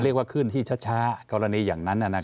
เรียกว่าขึ้นที่ช้ากรณีอย่างนั้นน่ะนะครับ